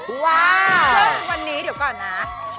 ซึ่งวันนี้เดี๋ยวก่อนนะ